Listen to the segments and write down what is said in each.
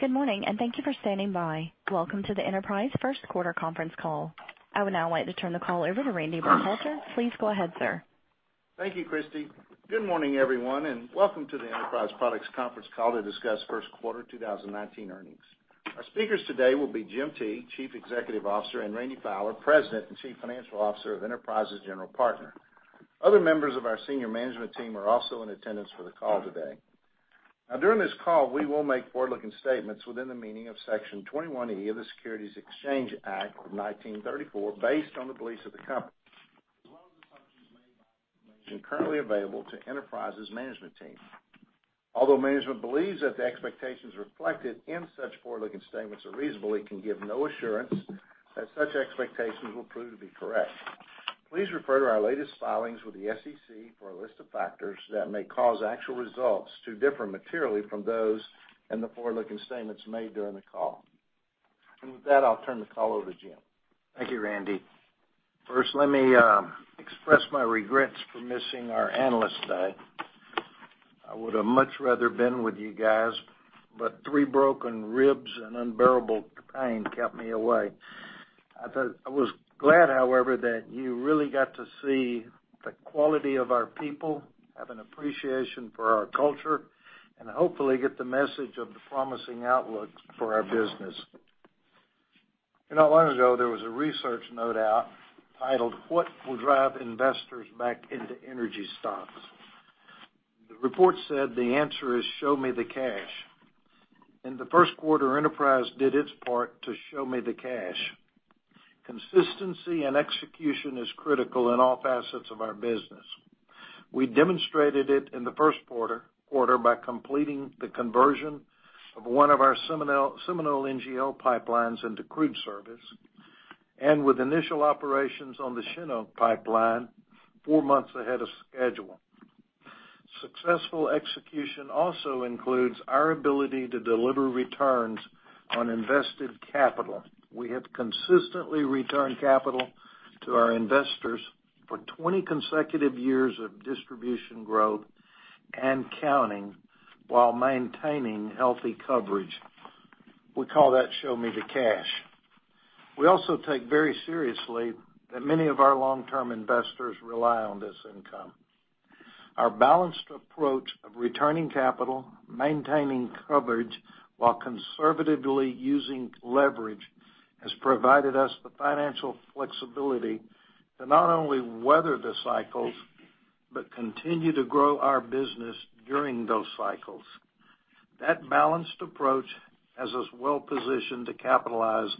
Good morning, and thank you for standing by. Welcome to the Enterprise first quarter conference call. I would now like to turn the call over to Randy Burkhalter. Please go ahead, sir. Thank you, Christy. Good morning, everyone, and welcome to the Enterprise Products conference call to discuss first quarter 2019 earnings. Our speakers today will be Jim Teague, Chief Executive Officer, and Randy Fowler, President and Chief Financial Officer of Enterprise's General Partner. Other members of our senior management team are also in attendance for the call today. During this call, we will make forward-looking statements within the meaning of Section 21E of the Securities Exchange Act of 1934, based on the beliefs of the company, as well as assumptions made by information currently available to Enterprise's management team. Although management believes that the expectations reflected in such forward-looking statements are reasonable, it can give no assurance that such expectations will prove to be correct. Please refer to our latest filings with the SEC for a list of factors that may cause actual results to differ materially from those in the forward-looking statements made during the call. With that, I'll turn the call over to Jim. Thank you, Randy. First, let me express my regrets for missing our analyst day. I would have much rather been with you guys, but three broken ribs and unbearable pain kept me away. I was glad, however, that you really got to see the quality of our people, have an appreciation for our culture, and hopefully get the message of the promising outlook for our business. Not long ago, there was a research note out titled "What Will Drive Investors Back into Energy Stocks." The report said the answer is show me the cash. In the first quarter, Enterprise did its part to show me the cash. Consistency and execution is critical in all facets of our business. We demonstrated it in the first quarter by completing the conversion of one of our Seminole NGL pipelines into crude service, and with initial operations on the Shin Oak pipeline 4 months ahead of schedule. Successful execution also includes our ability to deliver returns on invested capital. We have consistently returned capital to our investors for 20 consecutive years of distribution growth and counting while maintaining healthy coverage. We call that show me the cash. We also take very seriously that many of our long-term investors rely on this income. Our balanced approach of returning capital, maintaining coverage while conservatively using leverage, has provided us the financial flexibility to not only weather the cycles, but continue to grow our business during those cycles. That balanced approach has us well-positioned to capitalize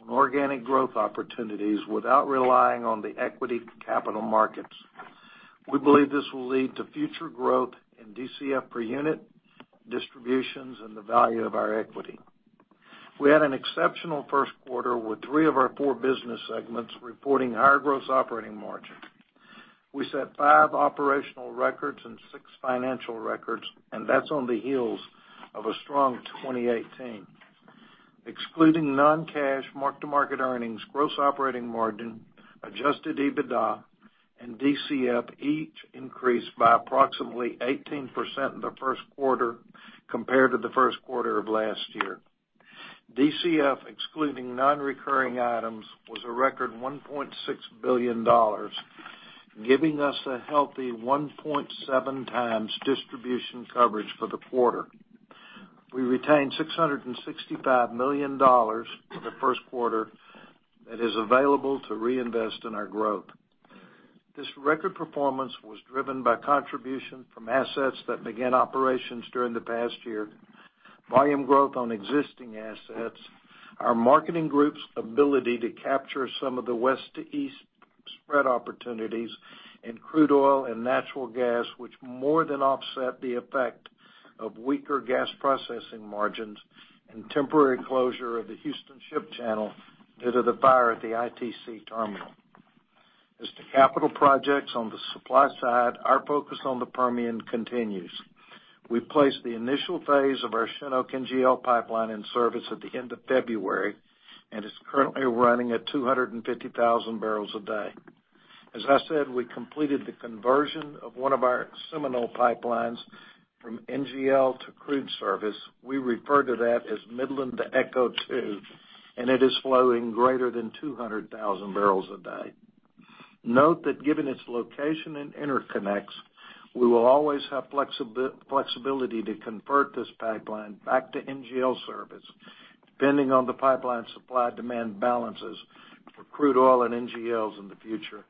on organic growth opportunities without relying on the equity capital markets. We believe this will lead to future growth in DCF per unit distributions and the value of our equity. We had an exceptional first quarter with three of our four business segments reporting higher gross operating margin. We set five operational records and six financial records. That's on the heels of a strong 2018. Excluding non-cash mark-to-market earnings, gross operating margin, adjusted EBITDA, and DCF each increased by approximately 18% in the first quarter compared to the first quarter of last year. DCF, excluding non-recurring items, was a record $1.6 billion, giving us a healthy 1.7 times distribution coverage for the quarter. We retained $665 million in the first quarter that is available to reinvest in our growth. This record performance was driven by contribution from assets that began operations during the past year, volume growth on existing assets, our marketing group's ability to capture some of the west to east spread opportunities in crude oil and natural gas, which more than offset the effect of weaker gas processing margins, and temporary closure of the Houston ship channel due to the fire at the ITC terminal. As to capital projects on the supply side, our focus on the Permian continues. We placed the initial phase of our Shin Oak NGL pipeline in service at the end of February. It is currently running at 250,000 barrels a day. As I said, we completed the conversion of one of our Seminole pipelines from NGL to crude service. We refer to that as Midland to ECHO II. It is flowing greater than 200,000 barrels a day. Note that given its location and interconnects, we will always have flexibility to convert this pipeline back to NGL service, depending on the pipeline supply-demand balances for crude oil and NGLs in the future.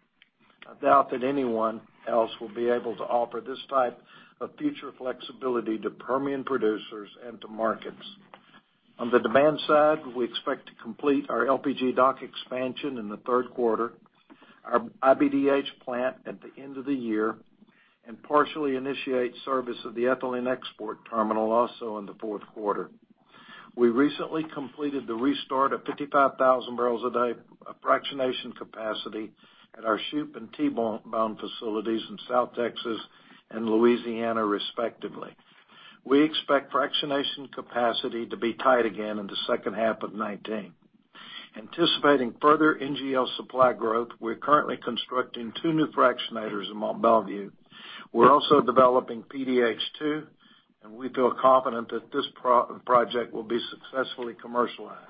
I doubt that anyone else will be able to offer this type of future flexibility to Permian producers and to markets. On the demand side, we expect to complete our LPG dock expansion in the third quarter, our iBDH plant at the end of the year, and partially initiate service of the ethylene export terminal also in the fourth quarter. We recently completed the restart of 55,000 barrels a day of fractionation capacity at our Shoup and Tebone facilities in South Texas and Louisiana, respectively. We expect fractionation capacity to be tight again in the second half of 2019. Anticipating further NGL supply growth, we're currently constructing two new fractionators in Mont Belvieu. We're also developing PDH 2, and we feel confident that this project will be successfully commercialized.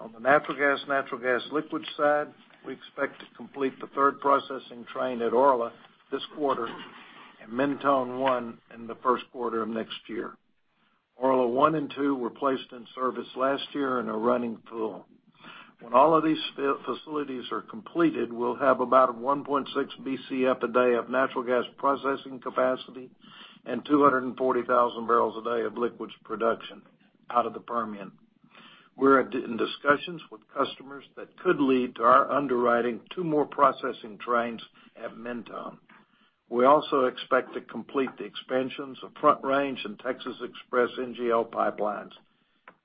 On the natural gas, natural gas liquids side, we expect to complete the third processing train at Orla this quarter and Mentone 1 in the first quarter of next year. Orla 1 and 2 were placed in service last year and are running full. When all of these facilities are completed, we'll have about 1.6 Bcf a day of natural gas processing capacity and 240,000 barrels a day of liquids production out of the Permian. We're in discussions with customers that could lead to our underwriting two more processing trains at Mentone. We also expect to complete the expansions of Front Range and Texas Express NGL pipelines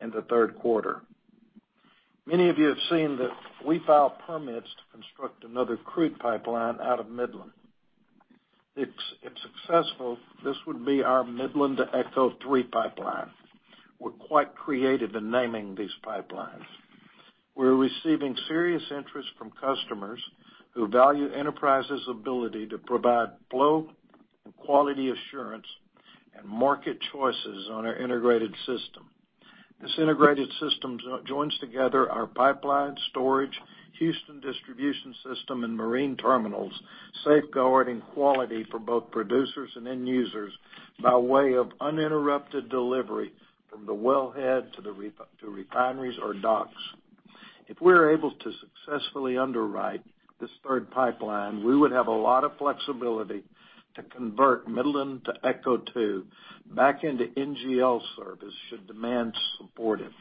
in the third quarter. Many of you have seen that we filed permits to construct another crude pipeline out of Midland. If successful, this would be our Midland to ECHO 3 pipeline. We're quite creative in naming these pipelines. We're receiving serious interest from customers who value Enterprise's ability to provide flow and quality assurance and market choices on our integrated system. This integrated system joins together our pipeline storage, Houston distribution system, and marine terminals, safeguarding quality for both producers and end users by way of uninterrupted delivery from the wellhead to refineries or docks. If we're able to successfully underwrite this third pipeline, we would have a lot of flexibility to convert Midland to ECHO 2 back into NGL service should demand support it.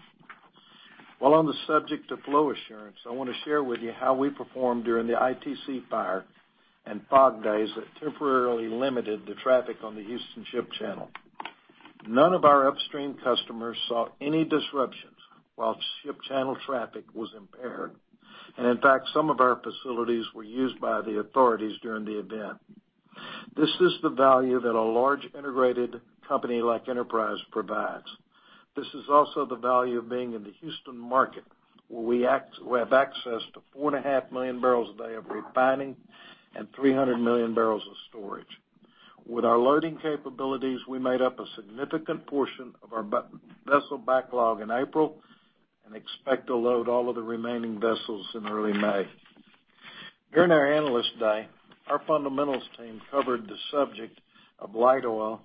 While on the subject of flow assurance, I want to share with you how we performed during the ITC fire and fog days that temporarily limited the traffic on the Houston ship channel. None of our upstream customers saw any disruptions while ship channel traffic was impaired. In fact, some of our facilities were used by the authorities during the event. This is the value that a large integrated company like Enterprise provides. This is also the value of being in the Houston market, where we have access to four and a half million barrels a day of refining and 300 million barrels of storage. With our loading capabilities, we made up a significant portion of our vessel backlog in April and expect to load all of the remaining vessels in early May. During our Analyst Day, our fundamentals team covered the subject of light oil,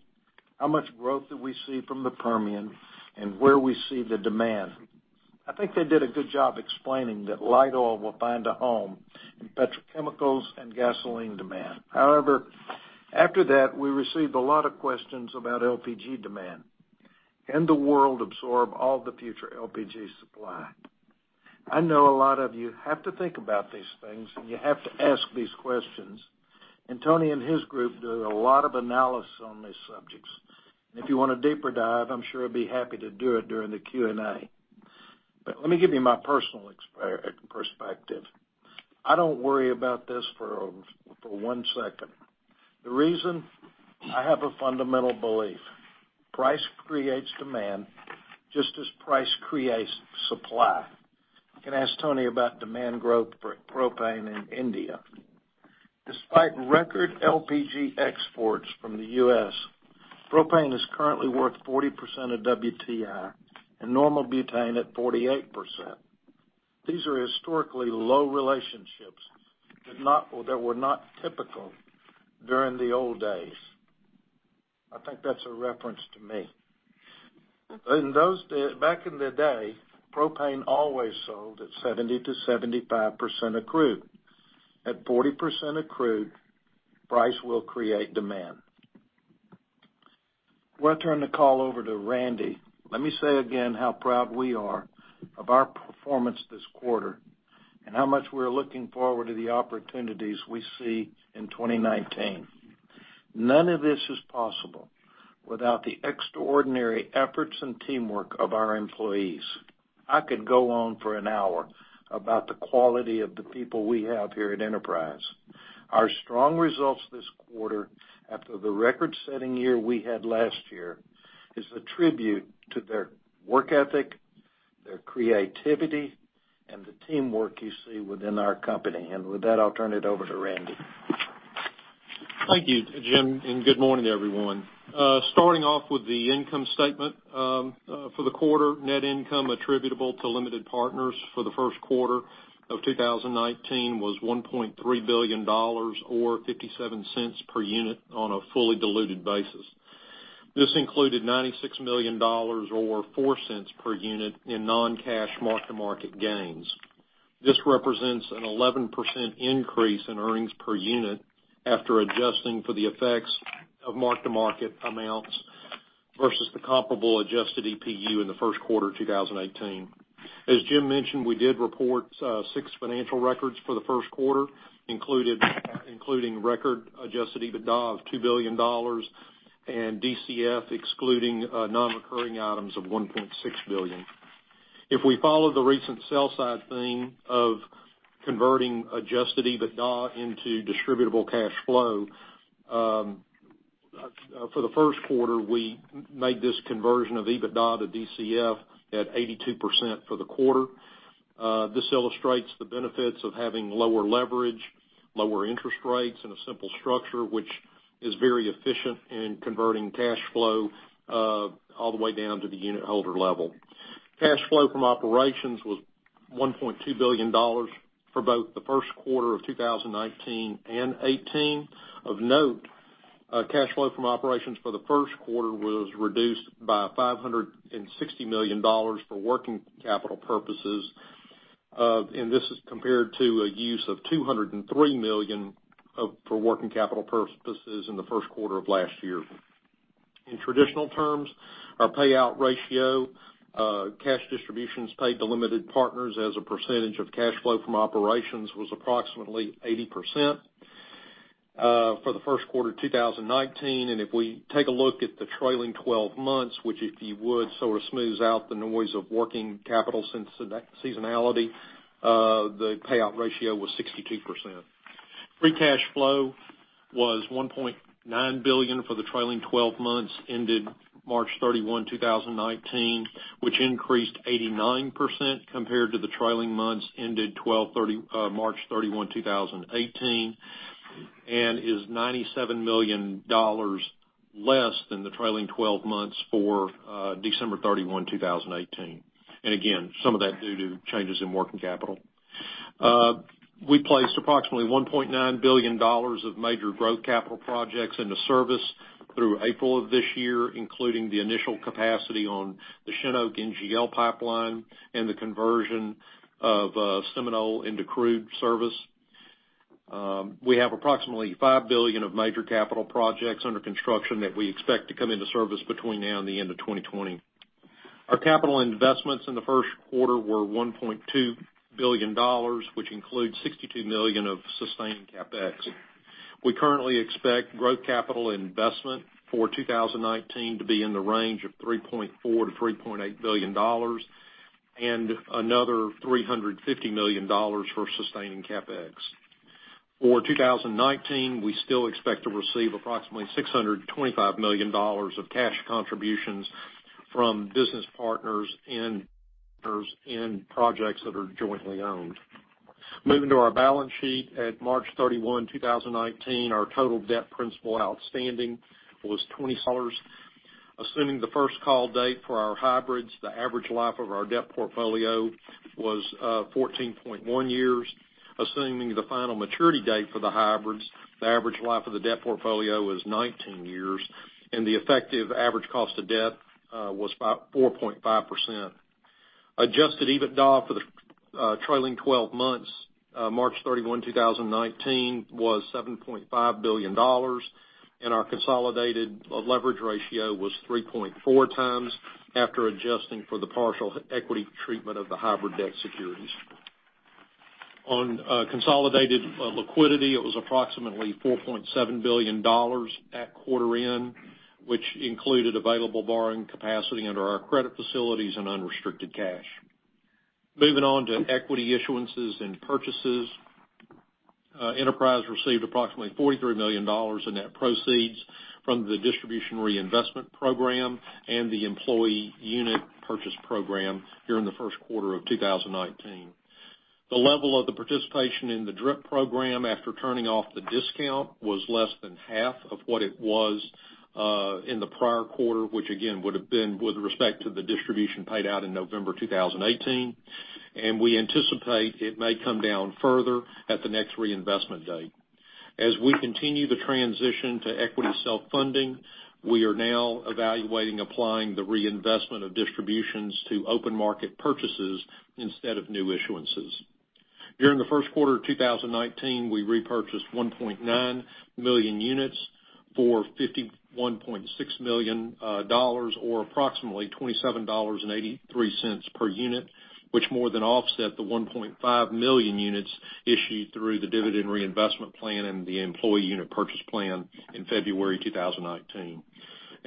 how much growth do we see from the Permian, and where we see the demand. I think they did a good job explaining that light oil will find a home in petrochemicals and gasoline demand. After that, we received a lot of questions about LPG demand. Can the world absorb all the future LPG supply? I know a lot of you have to think about these things, and you have to ask these questions, and Tony and his group do a lot of analysis on these subjects. If you want a deeper dive, I'm sure he'd be happy to do it during the Q&A. Let me give you my personal perspective. I don't worry about this for one second. The reason? I have a fundamental belief. Price creates demand, just as price creates supply. You can ask Tony about demand growth for propane in India. Despite record LPG exports from the U.S., propane is currently worth 40% of WTI and normal butane at 48%. These are historically low relationships that were not typical during the old days. I think that's a reference to me. Back in the day, propane always sold at 70%-75% of crude. At 40% of crude, price will create demand. Before I turn the call over to Randy, let me say again how proud we are of our performance this quarter and how much we're looking forward to the opportunities we see in 2019. None of this is possible without the extraordinary efforts and teamwork of our employees. I could go on for an hour about the quality of the people we have here at Enterprise. Our strong results this quarter, after the record-setting year we had last year, is a tribute to their work ethic, their creativity, and the teamwork you see within our company. With that, I'll turn it over to Randy. Thank you, Jim. Good morning, everyone. Starting off with the income statement. For the quarter, net income attributable to limited partners for the first quarter of 2019 was $1.3 billion, or $0.57 per unit on a fully diluted basis. This included $96 million, or $0.04 per unit, in non-cash mark-to-market gains. This represents an 11% increase in earnings per unit after adjusting for the effects of mark-to-market amounts versus the comparable adjusted EPU in the first quarter of 2018. As Jim mentioned, we did report six financial records for the first quarter, including record adjusted EBITDA of $2 billion and DCF excluding non-recurring items of $1.6 billion. If we follow the recent sell side theme of converting adjusted EBITDA into distributable cash flow. For the first quarter, we made this conversion of EBITDA to DCF at 82% for the quarter. This illustrates the benefits of having lower leverage, lower interest rates, and a simple structure, which is very efficient in converting cash flow all the way down to the unit holder level. Cash flow from operations was $1.2 billion for both the first quarter of 2019 and 2018. Of note, cash flow from operations for the first quarter was reduced by $560 million for working capital purposes. This is compared to a use of $203 million for working capital purposes in the first quarter of last year. In traditional terms, our payout ratio, cash distributions paid to limited partners as a percentage of cash flow from operations, was approximately 80% for the first quarter 2019. If we take a look at the trailing 12 months, which if you would, sort of smooths out the noise of working capital seasonality, the payout ratio was 62%. Free cash flow was $1.9 billion for the trailing 12 months ended March 31, 2019, which increased 89% compared to the trailing months ended March 31, 2018, and is $97 million less than the trailing 12 months for December 31, 2018. Again, some of that due to changes in working capital. We placed approximately $1.9 billion of major growth capital projects into service through April of this year, including the initial capacity on the Shin Oak NGL Pipeline and the conversion of Seminole into crude service. We have approximately $5 billion of major capital projects under construction that we expect to come into service between now and the end of 2020. Our capital investments in the first quarter were $1.2 billion, which includes $62 million of sustained CapEx. We currently expect growth capital investment for 2019 to be in the range of $3.4 billion-$3.8 billion and another $350 million for sustaining CapEx. For 2019, we still expect to receive approximately $625 million of cash contributions from business partners in projects that are jointly owned. Moving to our balance sheet. At March 31, 2019, our total debt principal outstanding was $20. Assuming the first call date for our hybrids, the average life of our debt portfolio was 14.1 years. Assuming the final maturity date for the hybrids, the average life of the debt portfolio was 19 years, and the effective average cost of debt was about 4.5%. Adjusted EBITDA for the trailing 12 months, March 31, 2019, was $7.5 billion, and our consolidated leverage ratio was 3.4 times after adjusting for the partial equity treatment of the hybrid debt securities. On consolidated liquidity, it was approximately $4.7 billion at quarter end, which included available borrowing capacity under our credit facilities and unrestricted cash. Moving on to equity issuances and purchases. Enterprise received approximately $43 million in net proceeds from the Distribution Reinvestment Program and the Employee Unit Purchase Program during the first quarter of 2019. The level of the participation in the DRIP program after turning off the discount was less than half of what it was in the prior quarter, which again, would have been with respect to the distribution paid out in November 2018. We anticipate it may come down further at the next reinvestment date. As we continue the transition to equity self-funding, we are now evaluating applying the reinvestment of distributions to open market purchases instead of new issuances. During the first quarter of 2019, we repurchased 1.9 million units for $51.6 million, or approximately $27.83 per unit, which more than offset the 1.5 million units issued through the Dividend Reinvestment Plan and the Employee Unit Purchase Plan in February 2019.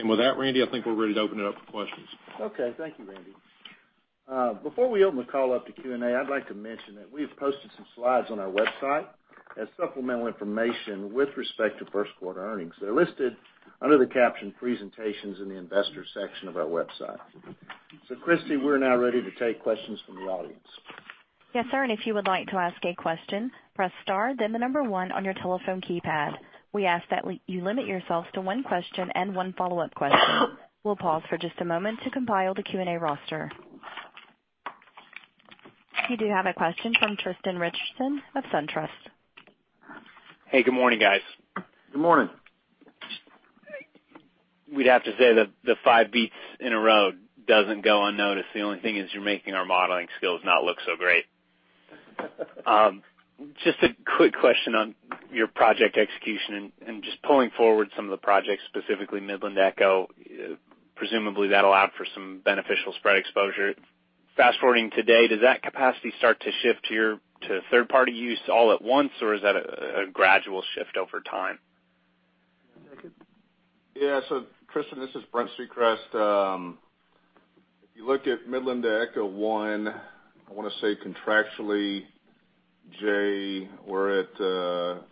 With that, Randy, I think we're ready to open it up for questions. Okay. Thank you, Randy. Before we open the call up to Q&A, I'd like to mention that we have posted some slides on our website as supplemental information with respect to first quarter earnings. They're listed under the caption Presentations in the Investors section of our website. Christy, we're now ready to take questions from the audience. Yes, sir. If you would like to ask a question, press star, then 1 on your telephone keypad. We ask that you limit yourself to one question and one follow-up question. We will pause for just a moment to compile the Q&A roster. We do have a question from Tristan Richardson of SunTrust. Hey, good morning, guys. Good morning. We would have to say that the five beats in a row doesn't go unnoticed. The only thing is you're making our modeling skills not look so great. Just a quick question on your project execution and just pulling forward some of the projects, specifically Midland ECHO. Presumably, that allowed for some beneficial spread exposure. Fast-forwarding today, does that capacity start to shift to third-party use all at once, or is that a gradual shift over time? You want to take it? Yeah. Tristan, this is Brent Secrest. You look at Midland to ECHO I want to say contractually, Jay, for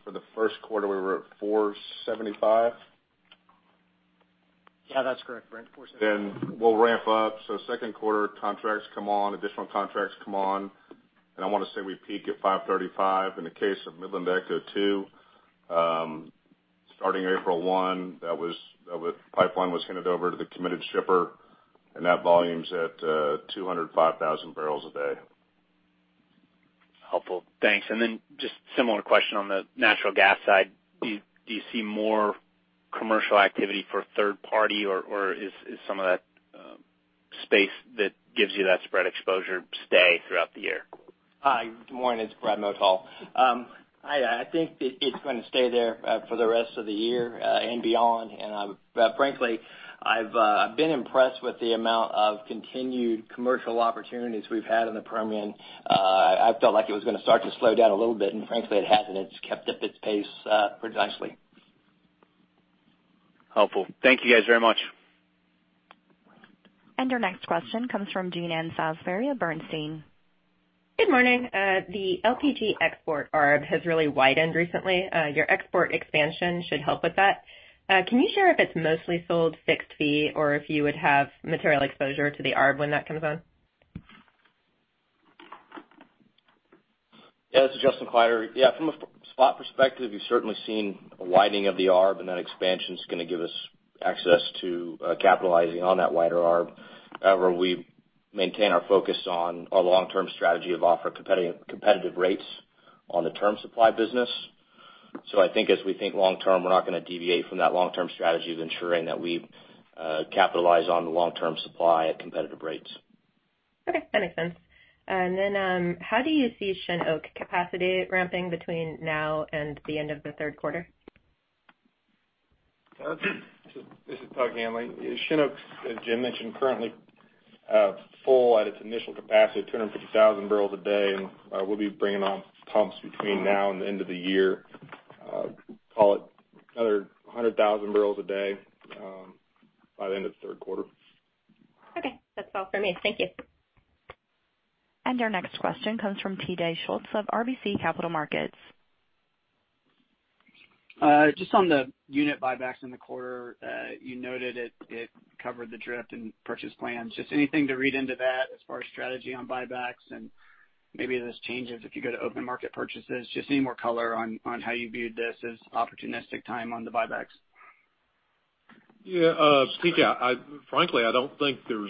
the first quarter, we were at 475? Yeah, that's correct, Brent. 475. We'll ramp up. Second quarter contracts come on, additional contracts come on, and I want to say we peak at 535. In the case of Midland ECHO 2, starting April 1st, the pipeline was handed over to the committed shipper, and that volume's at 205,000 barrels a day. Helpful. Thanks. Then just similar question on the natural gas side. Do you see more commercial activity for a third party, or is some of that space that gives you that spread exposure stay throughout the year? Hi, good morning, it's Brad Motal. I think it's going to stay there for the rest of the year and beyond. Frankly, I've been impressed with the amount of continued commercial opportunities we've had in the Permian. I felt like it was going to start to slow down a little bit, frankly, it hasn't. It's kept up its pace precisely. Helpful. Thank you guys very much. Our next question comes from Jean Ann Salisbury of Bernstein. Good morning. The LPG export arb has really widened recently. Your export expansion should help with that. Can you share if it's mostly sold fixed fee or if you would have material exposure to the arb when that comes on? This is Justin Kleiderer. From a spot perspective, you've certainly seen a widening of the arb, and that expansion is going to give us access to capitalizing on that wider arb. However, we maintain our focus on our long-term strategy of offering competitive rates on the term supply business. I think as we think long term, we're not going to deviate from that long-term strategy of ensuring that we capitalize on the long-term supply at competitive rates. Okay, that makes sense. How do you see Shin Oak capacity ramping between now and the end of the third quarter? This is Tug Hanley. Shin Oak's, as Jim mentioned, currently full at its initial capacity, 250,000 barrels a day. We'll be bringing on pumps between now and the end of the year, call it another 100,000 barrels a day by the end of the third quarter. Okay. That's all for me. Thank you. Our next question comes from TJ Schultz of RBC Capital Markets. On the unit buybacks in the quarter, you noted it covered the DRIP and purchase plans. Anything to read into that as far as strategy on buybacks and maybe those changes if you go to open market purchases? Any more color on how you viewed this as opportunistic time on the buybacks? Yeah. TJ, frankly, I don't think our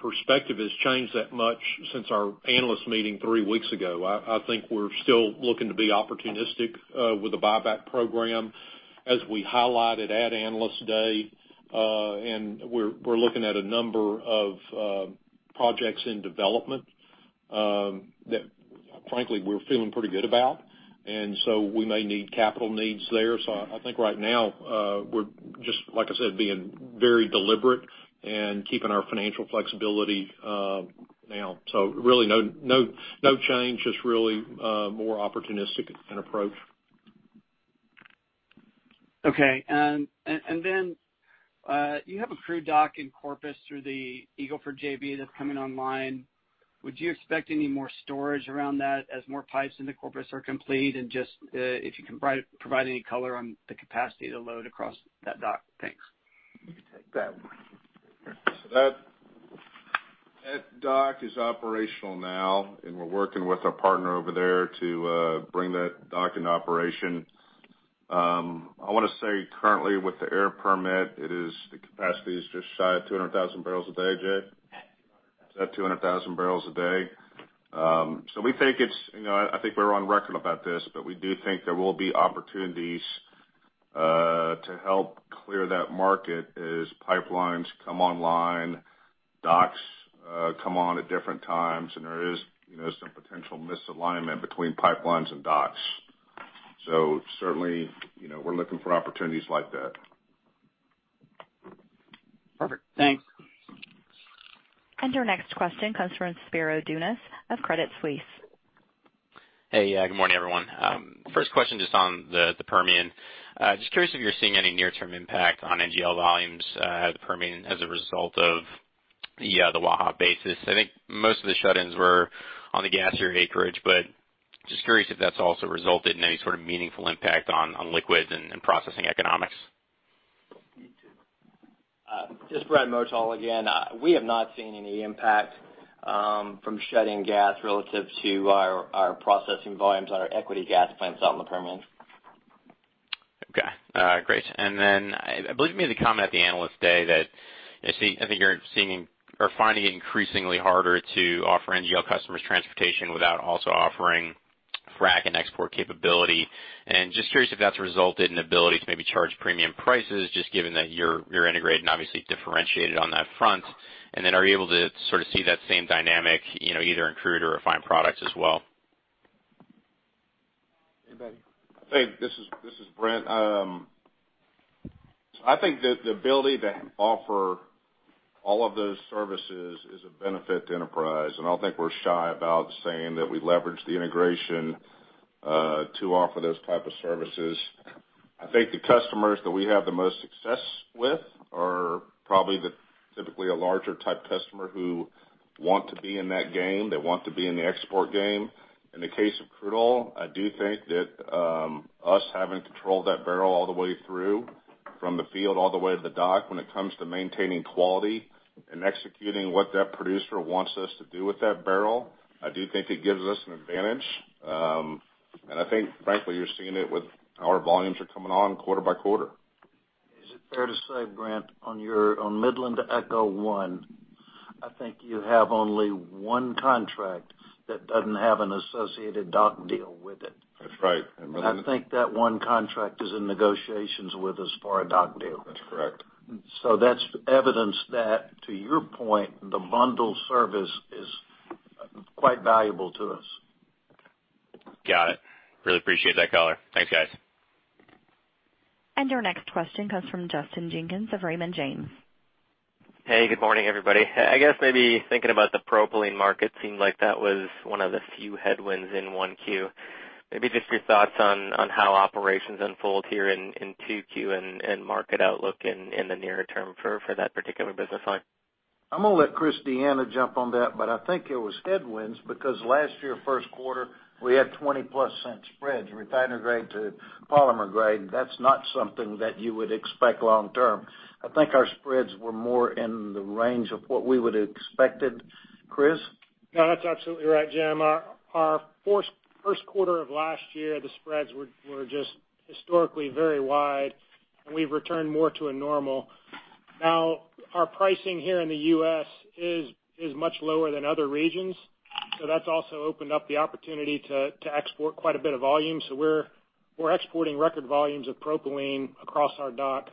perspective has changed that much since our analyst meeting three weeks ago. I think we're still looking to be opportunistic with the buyback program, as we highlighted at Analyst Day. We're looking at a number of projects in development that frankly, we're feeling pretty good about. We may need capital needs there. I think right now, we're just, like I said, being very deliberate and keeping our financial flexibility now. Really no change, just really more opportunistic in approach. Okay. Then, you have a crude dock in Corpus through the Eagle Ford JV that's coming online. Would you expect any more storage around that as more pipes into Corpus are complete? Just if you can provide any color on the capacity to load across that dock. Thanks. You can take that one. That dock is operational now, and we're working with our partner over there to bring that dock into operation. I want to say currently with the air permit, the capacity is just shy of 200,000 barrels a day, Jay? It's at 200,000 barrels a day. I think we're on record about this, but we do think there will be opportunities to help clear that market as pipelines come online, docks come on at different times, and there is some potential misalignment between pipelines and docks. Certainly, we're looking for opportunities like that. Perfect. Thanks. Our next question comes from Spiro Dounis of Credit Suisse. Hey, good morning, everyone. First question, just on the Permian. Just curious if you're seeing any near-term impact on NGL volumes out of the Permian as a result of the Waha basis. Curious if that's also resulted in any sort of meaningful impact on liquids and processing economics. This is Brad Motal again. We have not seen any impact from shutting gas relative to our processing volumes on our equity gas plants out in the Permian. Okay, great. I believe you made the comment at the Analyst Day that I think you're finding it increasingly harder to offer NGL customers transportation without also offering frac and export capability. Curious if that's resulted in ability to maybe charge premium prices, just given that you're integrated and obviously differentiated on that front. Are you able to sort of see that same dynamic, either in crude or refined products as well? Anybody? Hey, this is Brent. I think that the ability to offer all of those services is a benefit to Enterprise, and I don't think we're shy about saying that we leverage the integration to offer those type of servicesI think the customers that we have the most success with are probably typically a larger type customer who want to be in that game, they want to be in the export game. In the case of crude oil, I do think that us having control of that barrel all the way through, from the field all the way to the dock when it comes to maintaining quality and executing what that producer wants us to do with that barrel, I do think it gives us an advantage. I think, frankly, you're seeing it with how our volumes are coming on quarter by quarter. Is it fair to say, Brent, on Midland-to-ECHO 1, I think you have only one contract that doesn't have an associated dock deal with it? That's right. I think that one contract is in negotiations with us for a dock deal. That's correct. That's evidence that, to your point, the bundle service is quite valuable to us. Got it. Really appreciate that color. Thanks, guys. Our next question comes from Justin Jenkins of Raymond James. Hey, good morning, everybody. I guess maybe thinking about the propylene market, seemed like that was one of the few headwinds in 1Q. Maybe just your thoughts on how operations unfold here in 2Q and market outlook in the nearer term for that particular business line. I'm going to let Chris D'Anna jump on that. I think it was headwinds because last year, first quarter, we had $0.20-plus spreads, refiner grade to polymer grade. That's not something that you would expect long term. I think our spreads were more in the range of what we would've expected. Chris? No, that's absolutely right, Jim. Our first quarter of last year, the spreads were just historically very wide, and we've returned more to a normal. Our pricing here in the U.S. is much lower than other regions, that's also opened up the opportunity to export quite a bit of volume. We're exporting record volumes of propylene across our dock.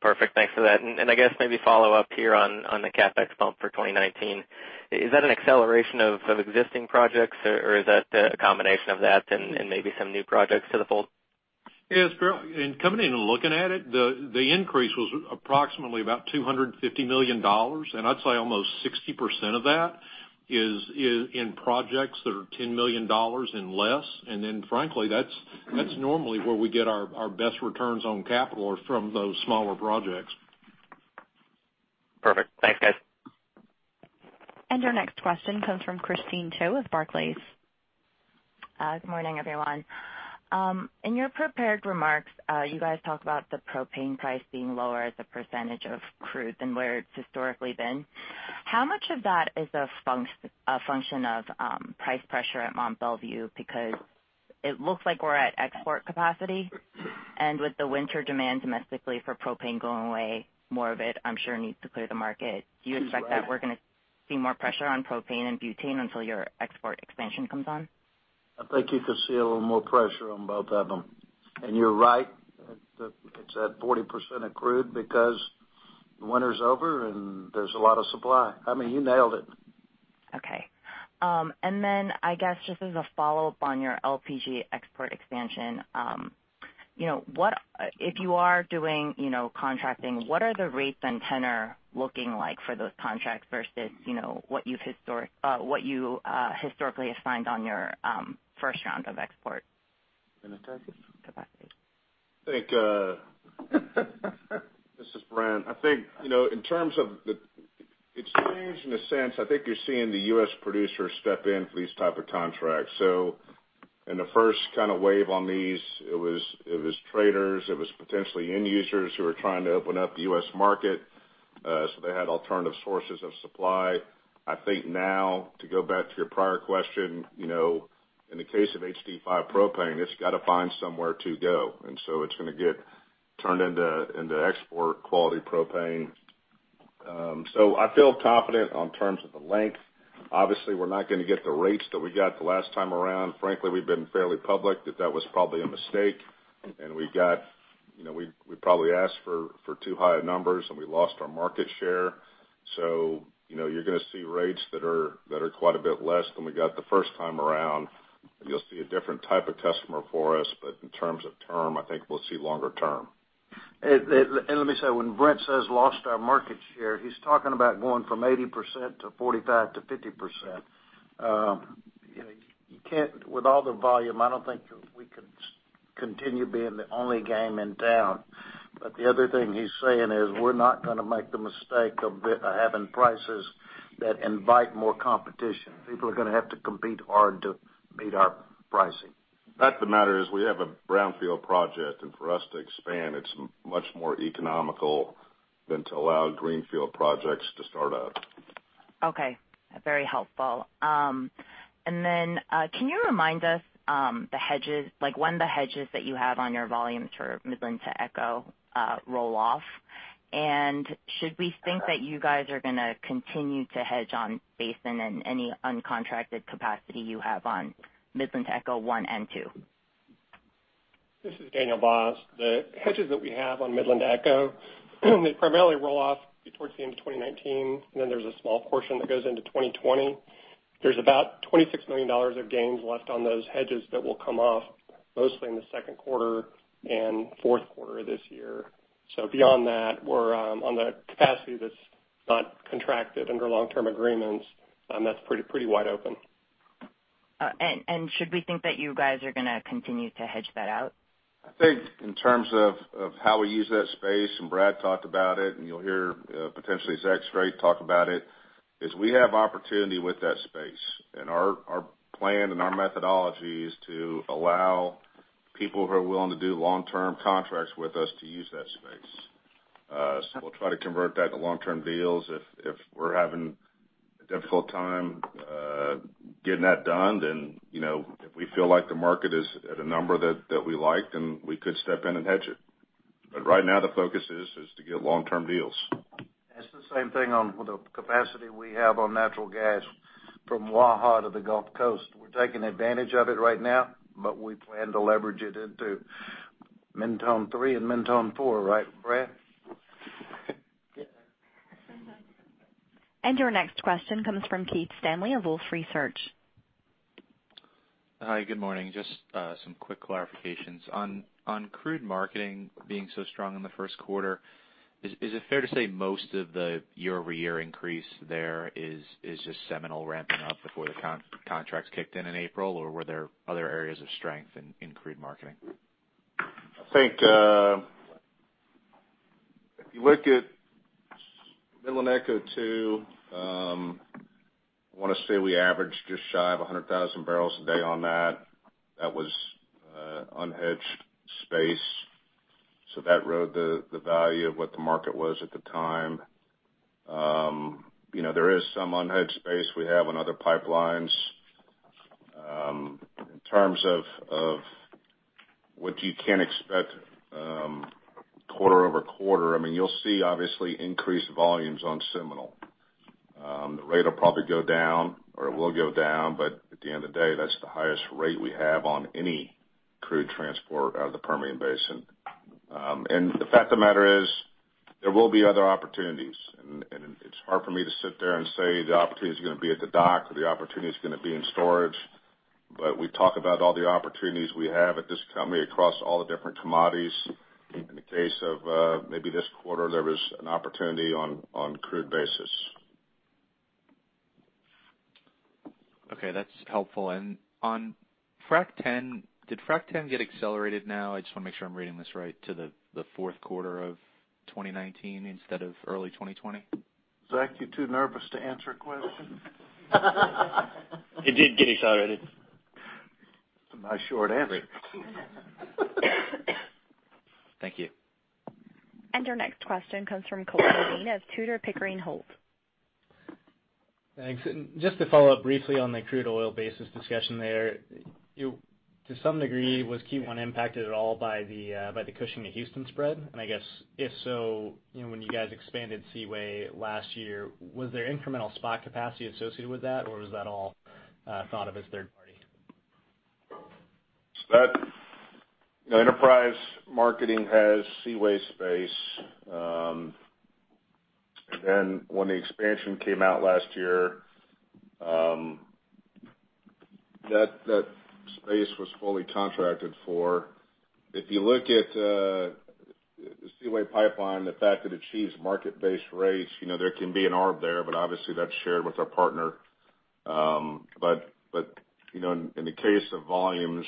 Perfect. Thanks for that. I guess maybe follow up here on the CapEx bump for 2019. Is that an acceleration of existing projects, or is that a combination of that and maybe some new projects to the fold? Yes, in coming in and looking at it, the increase was approximately about $250 million. I'd say almost 60% of that is in projects that are $10 million and less. Frankly, that's normally where we get our best returns on capital are from those smaller projects. Perfect. Thanks, guys. Our next question comes from Theresa Chen of Barclays. Good morning, everyone. In your prepared remarks, you guys talk about the propane price being lower as a percentage of crude than where it's historically been. How much of that is a function of price pressure at Mont Belvieu? Because it looks like we're at export capacity, and with the winter demand domestically for propane going away, more of it, I'm sure, needs to clear the market. That's right. Do you expect that we're going to see more pressure on propane and butane until your export expansion comes on? I think you could see a little more pressure on both of them. You're right. It's at 40% of crude because winter's over and there's a lot of supply. I mean, you nailed it. Okay. I guess, just as a follow-up on your LPG export expansion. If you are doing contracting, what are the rates and tenor looking like for those contracts versus what you historically assigned on your first round of export? You want to take it? Capacity. This is Brent. It's changed in a sense. I think you're seeing the U.S. producers step in for these type of contracts. In the first kind of wave on these, it was traders, it was potentially end users who were trying to open up the U.S. market, so they had alternative sources of supply. I think now, to go back to your prior question, in the case of HD5 propane, it's got to find somewhere to go. It's going to get turned into export quality propane. I feel confident on terms of the length. Obviously, we're not going to get the rates that we got the last time around. Frankly, we've been fairly public that that was probably a mistake. We probably asked for too high of numbers, and we lost our market share. You're going to see rates that are quite a bit less than we got the first time around. You'll see a different type of customer for us. In terms of term, I think we'll see longer term. Let me say, when Brent says lost our market share, he's talking about going from 80% to 45% to 50%. With all the volume, I don't think we could continue being the only game in town. The other thing he's saying is, we're not going to make the mistake of having prices that invite more competition. People are going to have to compete hard to beat our pricing. Fact of the matter is we have a brownfield project, and for us to expand it's much more economical than to allow greenfield projects to start up. Okay. Very helpful. Then, can you remind us when the hedges that you have on your volumes for Midland to ECHO roll off? Should we think that you guys are going to continue to hedge on basin and any uncontracted capacity you have on Midland to ECHO I and II? This is R. Daniel Boss. The hedges that we have on Midland to ECHO, they primarily roll off towards the end of 2019, then there's a small portion that goes into 2020. There's about $26 million of gains left on those hedges that will come off mostly in the second quarter and fourth quarter of this year. Beyond that, on the capacity that's Not contracted under long-term agreements, that's pretty wide open. Should we think that you guys are going to continue to hedge that out? I think in terms of how we use that space, Brad talked about it, and you'll hear potentially Zach Strait talk about it, is we have opportunity with that space. Our plan and our methodology is to allow people who are willing to do long-term contracts with us to use that space. We'll try to convert that to long-term deals. If we're having a difficult time getting that done, then if we feel like the market is at a number that we like, then we could step in and hedge it. Right now, the focus is to get long-term deals. It's the same thing on the capacity we have on natural gas from Waha to the Gulf Coast. We're taking advantage of it right now, we plan to leverage it into Mentone 3 and Mentone 4, right Brad? Yeah. Your next question comes from Keith Stanley of Wolfe Research. Hi, good morning. Just some quick clarifications. On crude marketing being so strong in the first quarter, is it fair to say most of the year-over-year increase there is just Seminole ramping up before the contracts kicked in in April? Were there other areas of strength in crude marketing? I think, if you look at Midland-to-ECHO 2, I want to say we averaged just shy of 100,000 barrels a day on that. That was unhedged space. That rode the value of what the market was at the time. There is some unhedged space we have on other pipelines. In terms of what you can expect quarter-over-quarter, you'll see obviously increased volumes on Seminole. The rate will probably go down, or it will go down, but at the end of the day, that's the highest rate we have on any crude transport out of the Permian Basin. The fact of the matter is, there will be other opportunities, and it's hard for me to sit there and say the opportunity's going to be at the dock or the opportunity's going to be in storage. We talk about all the opportunities we have at this company across all the different commodities. In the case of maybe this quarter, there was an opportunity on crude basis. Okay. That's helpful. On Frac 10, did Frac 10 get accelerated now, I just want to make sure I'm reading this right, to the fourth quarter of 2019 instead of early 2020? Zach, you too nervous to answer a question? It did get accelerated. That's a nice short answer. Thank you. Your next question comes from Colton Bean of Tudor, Pickering, Holt. Thanks. Just to follow up briefly on the crude oil basis discussion there. To some degree, was Q1 impacted at all by the Cushing to Houston spread? I guess, if so, when you guys expanded Seaway last year, was there incremental spot capacity associated with that, or was that all thought of as third party? That Enterprise marketing has Seaway space. When the expansion came out last year, that space was fully contracted for. If you look at the Seaway pipeline, the fact that it achieves market-based rates, there can be an arb there, obviously that's shared with our partner. In the case of volumes,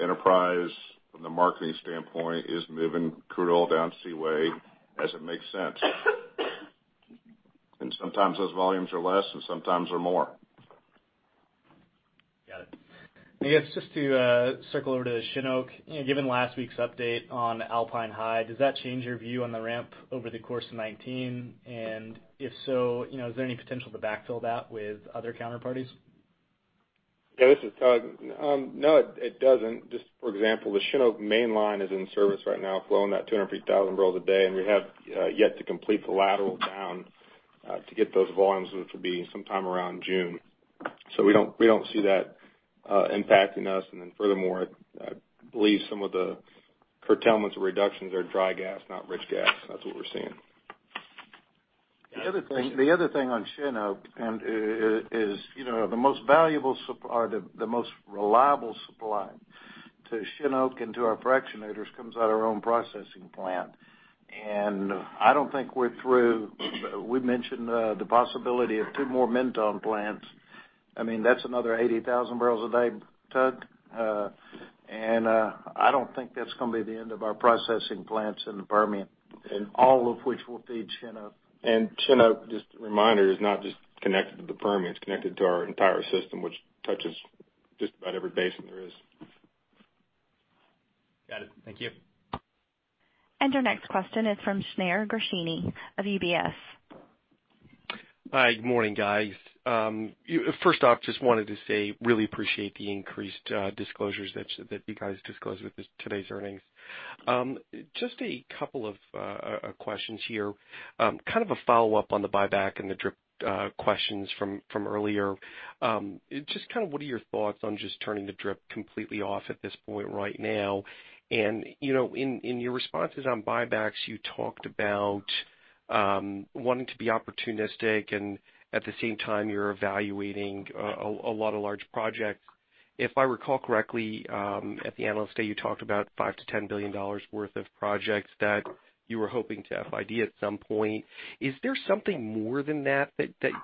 Enterprise from the marketing standpoint is moving crude oil down Seaway as it makes sense. Sometimes those volumes are less, and sometimes they're more. Got it. I guess just to circle over to Shin Oak. Given last week's update on Alpine High, does that change your view on the ramp over the course of 2019? If so, is there any potential to backfill that with other counterparties? Yeah, this is Tug. No, it doesn't. Just for example, the Shin Oak main line is in service right now flowing that 250,000 barrels a day, we have yet to complete the lateral down to get those volumes, which will be sometime around June. We don't see that impacting us. Furthermore, I believe some of the curtailments or reductions are dry gas, not rich gas. That's what we're seeing. The other thing on Shin Oak is the most reliable supply to Shin Oak and to our fractionators comes out of our own processing plant. I don't think we're through. We've mentioned the possibility of two more Mentone plants. That's another 80,000 barrels a day, Tug. I don't think that's going to be the end of our processing plants in the Permian. All of which will feed Shin Oak. Shin Oak, just a reminder, is not just connected to the Permian. It's connected to our entire system, which touches just about every basin there is. Got it. Thank you. Our next question is from Shneur Gershuni of UBS. Hi, good morning, guys. First off, just wanted to say, really appreciate the increased disclosures that you guys disclosed with today's earnings. Just a couple of questions here. Kind of a follow-up on the buyback and the DRIP questions from earlier. Just what are your thoughts on just turning the DRIP completely off at this point right now? In your responses on buybacks, you talked about wanting to be opportunistic and at the same time you're evaluating a lot of large projects. If I recall correctly, at the analyst day, you talked about $5 billion to $10 billion worth of projects that you were hoping to FID at some point. Is there something more than that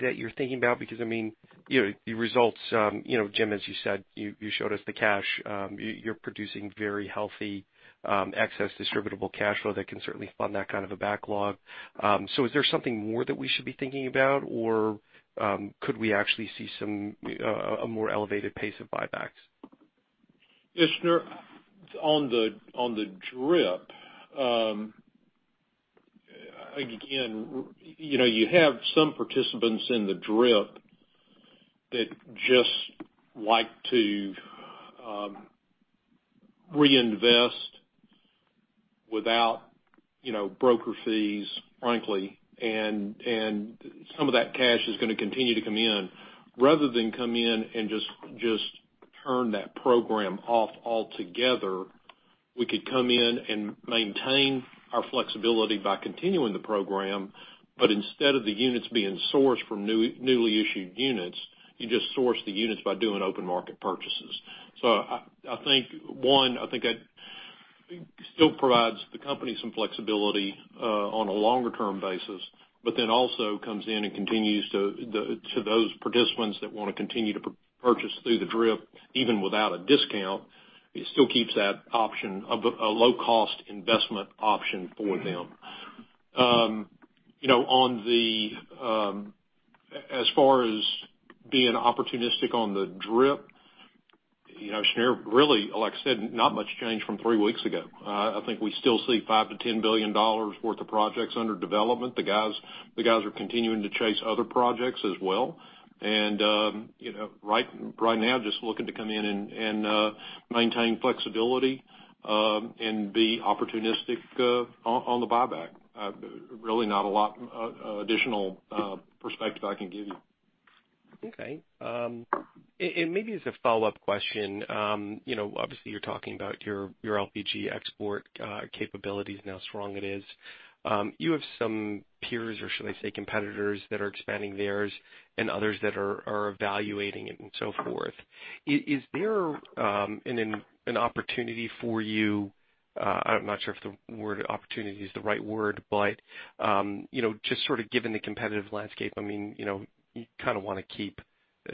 you're thinking about? I mean, the results, Jim, as you said, you showed us the cash. You're producing very healthy excess distributable cash flow that can certainly fund that kind of a backlog. Is there something more that we should be thinking about, or could we actually see a more elevated pace of buybacks? Yes, sure. On the DRIP, again, you have some participants in the DRIP that just like to reinvest without broker fees, frankly, and some of that cash is going to continue to come in. Rather than come in and just turn that program off altogether, we could come in and maintain our flexibility by continuing the program. Instead of the units being sourced from newly issued units, you just source the units by doing open market purchases. I think, one, it still provides the company some flexibility on a longer-term basis, but then also comes in and continues to those participants that want to continue to purchase through the DRIP, even without a discount. It still keeps that option of a low-cost investment option for them. As far as being opportunistic on the DRIP, really, like I said, not much changed from three weeks ago. I think we still see $5 billion to $10 billion worth of projects under development. The guys are continuing to chase other projects as well. Right now, just looking to come in and maintain flexibility, and be opportunistic on the buyback. Really not a lot additional perspective I can give you. Okay. Maybe as a follow-up question, obviously, you're talking about your LPG export capabilities and how strong it is. You have some peers, or should I say, competitors that are expanding theirs and others that are evaluating it, and so forth. Is there an opportunity for you. I'm not sure if the word opportunity is the right word, but just sort of given the competitive landscape, I mean, you kind of want to keep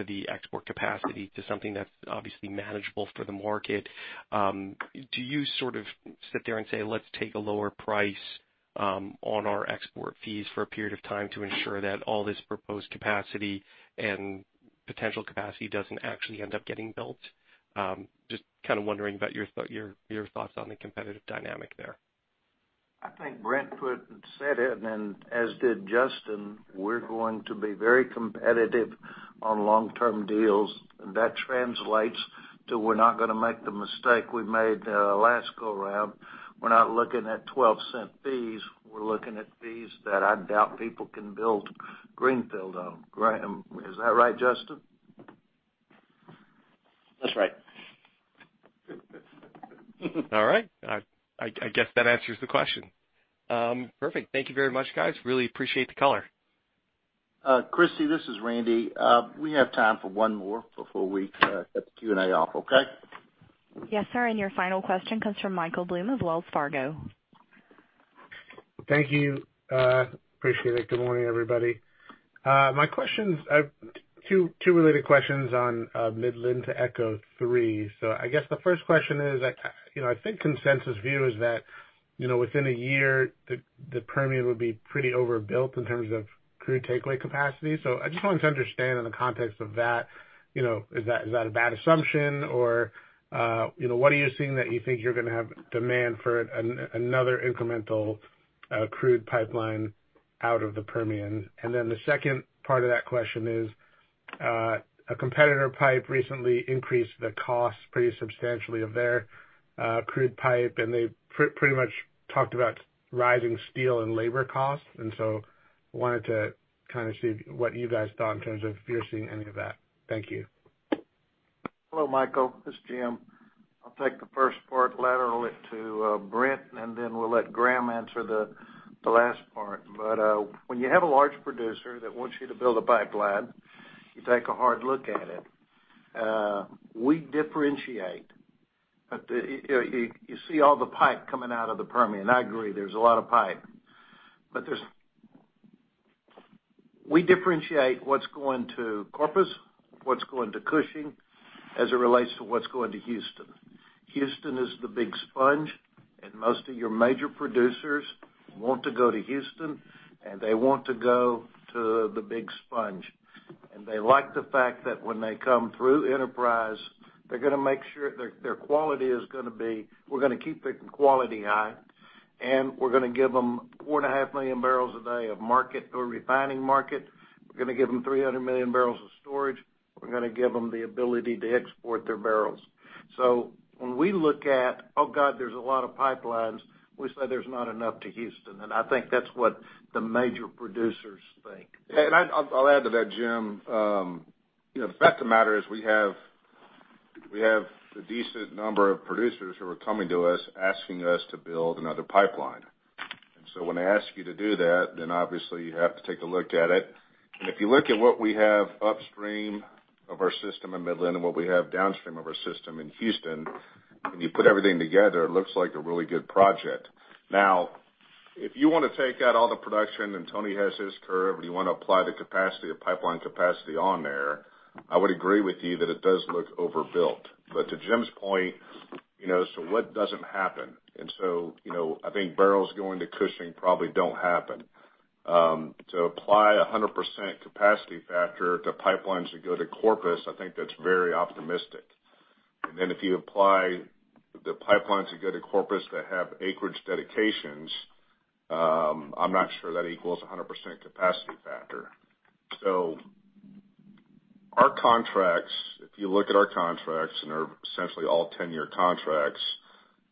the export capacity to something that's obviously manageable for the market. Do you sort of sit there and say, "Let's take a lower price on our export fees for a period of time to ensure that all this proposed capacity and potential capacity doesn't actually end up getting built?" Just kind of wondering about your thoughts on the competitive dynamic there. I think Brent said it, as did Justin, we're going to be very competitive on long-term deals. That translates to we're not going to make the mistake we made the last go-round. We're not looking at $0.12 fees. We're looking at fees that I doubt people can build greenfield on. Is that right, Justin? That's right. All right. I guess that answers the question. Perfect. Thank you very much, guys. Really appreciate the call. Christy, this is Randy. We have time for one more before we cut the Q&A off, okay? Yes, sir. Your final question comes from Michael Blum of Wells Fargo. Thank you. Appreciate it. Good morning, everybody. Two related questions on Midland-to-ECHO 3. I guess the first question is, I think consensus view is that within one year, the Permian would be pretty overbuilt in terms of crude takeaway capacity. I just wanted to understand in the context of that, is that a bad assumption? What are you seeing that you think you're going to have demand for another incremental crude pipeline out of the Permian? The second part of that question is, a competitor pipe recently increased the cost pretty substantially of their crude pipe, and they pretty much talked about rising steel and labor costs. I wanted to kind of see what you guys thought in terms of if you're seeing any of that. Thank you. Hello, Michael. It's Jim. I'll take the first part laterally to Brent, then we'll let Graham answer the last part. When you have a large producer that wants you to build a pipeline, you take a hard look at it. We differentiate. You see all the pipe coming out of the Permian. I agree, there's a lot of pipe. We differentiate what's going to Corpus, what's going to Cushing, as it relates to what's going to Houston. Houston is the big sponge, most of your major producers want to go to Houston, they want to go to the big sponge. They like the fact that when they come through Enterprise, they're going to make sure their quality is going to be, we're going to keep their quality high, and we're going to give them 4.5 million barrels a day of market or refining market. We're going to give them 300 million barrels of storage. We're going to give them the ability to export their barrels. When we look at, oh God, there's a lot of pipelines, we say there's not enough to Houston, and I think that's what the major producers think. I'll add to that, Jim. The fact of the matter is we have a decent number of producers who are coming to us asking us to build another pipeline. When I ask you to do that, then obviously you have to take a look at it. If you look at what we have upstream of our system in Midland and what we have downstream of our system in Houston, when you put everything together, it looks like a really good project. Now, if you want to take out all the production and Tony has his curve, and you want to apply the pipeline capacity on there, I would agree with you that it does look overbuilt. To Jim's point, what doesn't happen? I think barrels going to Cushing probably don't happen. To apply 100% capacity factor to pipelines that go to Corpus, I think that's very optimistic. Then if you apply the pipelines that go to Corpus that have acreage dedications, I'm not sure that equals 100% capacity factor. Our contracts, if you look at our contracts, and they're essentially all 10-year contracts,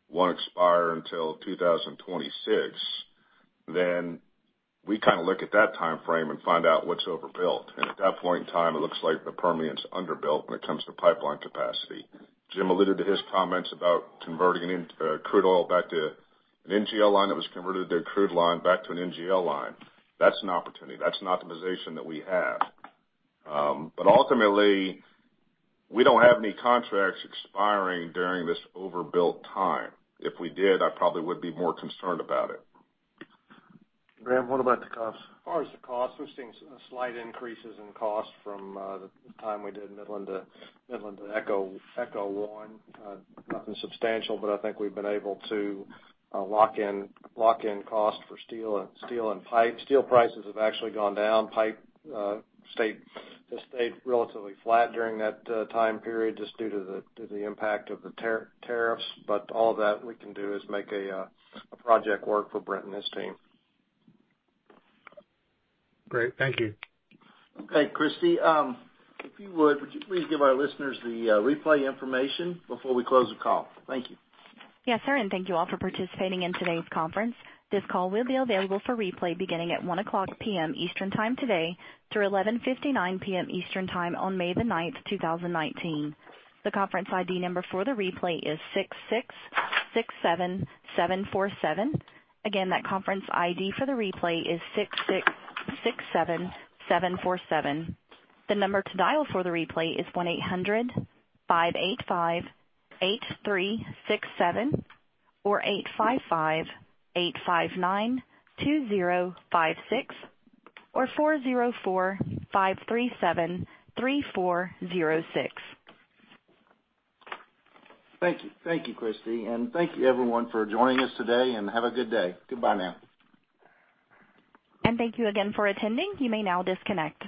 won't expire until 2026, then we kind of look at that timeframe and find out what's overbuilt. At that point in time, it looks like the Permian's underbuilt when it comes to pipeline capacity. Jim alluded to his comments about converting crude oil back to an NGL line that was converted to a crude line back to an NGL line. That's an opportunity. That's an optimization that we have. Ultimately, we don't have any contracts expiring during this overbuilt time. If we did, I probably would be more concerned about it. Graham, what about the cost? As far as the cost, we're seeing slight increases in cost from the time we did Midland to ECHO 1. Nothing substantial, but I think we've been able to lock in cost for steel and pipe. Steel prices have actually gone down. Pipe has stayed relatively flat during that time period just due to the impact of the tariffs. All of that we can do is make a project work for Brent and his team. Great. Thank you. Okay, Christy, if you would you please give our listeners the replay information before we close the call? Thank you. Yes, sir. Thank you all for participating in today's conference. This call will be available for replay beginning at 1:00 P.M. Eastern time today through 11:59 P.M. Eastern time on May the 9th, 2019. The conference ID number for the replay is 6667747. Again, that conference ID for the replay is 6667747. The number to dial for the replay is 1-800-585-8367 or 855-859-2056 or 404-537-3406. Thank you. Thank you, Christy. Thank you everyone for joining us today, and have a good day. Goodbye now. Thank you again for attending. You may now disconnect.